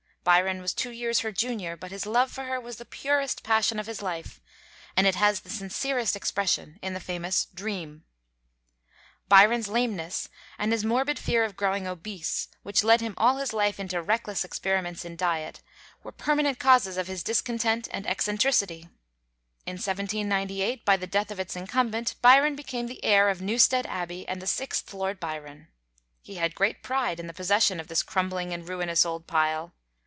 Byron was two years her junior, but his love for her was the purest passion of his life, and it has the sincerest expression in the famous 'Dream.' Byron's lameness, and his morbid fear of growing obese, which led him all his life into reckless experiments in diet, were permanent causes of his discontent and eccentricity. In 1798, by the death of its incumbent, Byron became the heir of Newstead Abbey and the sixth Lord Byron. He had great pride in the possession of this crumbling and ruinous old pile.